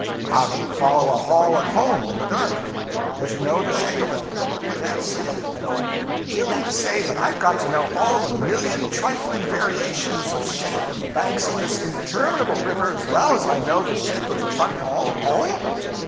'How do you follow a hall at home in the dark. Because you know the shape of it. You can't see it.' 'Do you mean to say that I've got to know all the million trifling variations of shape in the banks of this interminable river as well as I know the shape of the front hall at home?'